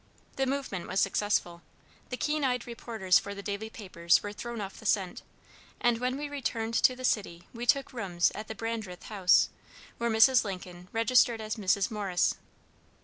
The movement was successful. The keen eyed reporters for the daily papers were thrown off the scent, and when we returned to the city we took rooms at the Brandreth House, where Mrs. Lincoln registered as "Mrs. Morris."